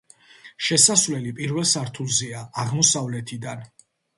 შესასვლელი პირველ სართულზეა, აღმოსავლეთიდან.